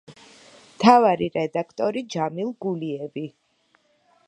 მთავარი რედაქტორი ჯამილ გულიევი.